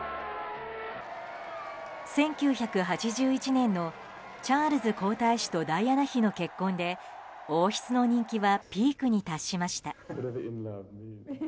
１９８１年のチャールズ皇太子とダイアナ妃の結婚で王室の人気はピークに達しました。